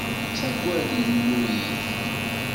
Ttagad Illu-ik.